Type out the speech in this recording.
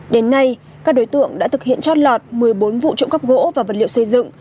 đến nay các đối tượng đã thực hiện trót lọt một mươi bốn vụ trộm cắp gỗ và vật liệu xây dựng